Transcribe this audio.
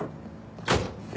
はい。